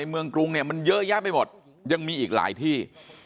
เมืองกรุงเนี่ยมันเยอะแยะไปหมดยังมีอีกหลายที่